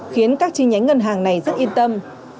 khiến các chi nhánh ngân hàng này rất yên tâm